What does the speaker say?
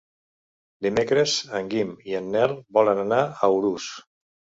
Dimecres en Guim i en Nel volen anar a Urús.